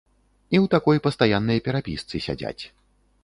І ў такой пастаяннай перапісцы сядзяць.